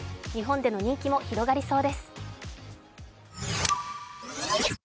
日本での人気も広がりそうです。